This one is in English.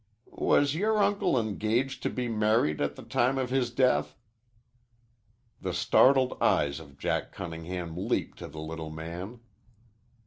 "Was your uncle engaged to be married at the time of his death?" The startled eyes of Jack Cunningham leaped to the little man.